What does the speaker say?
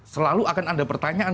selalu akan ada pertanyaan